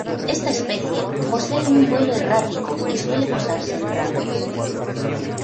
Esta especie posee un vuelo errático y suele posarse en ramas.